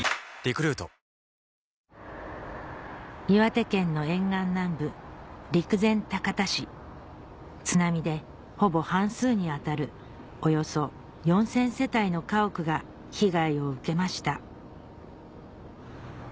岩手県の沿岸南部陸前高田市津波でほぼ半数に当たるおよそ４０００世帯の家屋が被害を受けました